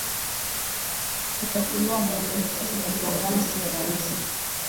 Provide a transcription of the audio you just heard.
kutatuliwa muundo sahihi kwa programu siyo rahisi